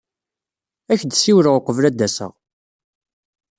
Ad ak-d-siwleɣ uqbel ad d-aseɣ.